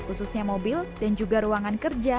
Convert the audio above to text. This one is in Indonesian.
khususnya mobil dan juga ruangan kerja